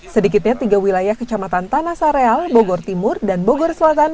sedikitnya tiga wilayah kecamatan tanah sareal bogor timur dan bogor selatan